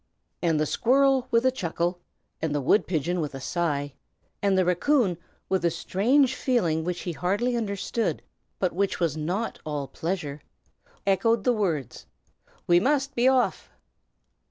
And the squirrel with a chuckle, and the wood pigeon with a sigh, and the raccoon with a strange feeling which he hardly understood, but which was not all pleasure, echoed the words, "We must be off!"